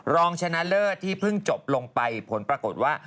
รองชนะเลิศที่เพิ่งจบลงไปผลปรากฏว่า